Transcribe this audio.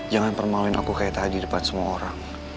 jangan permaluin aku kayak tadi di depan semua orang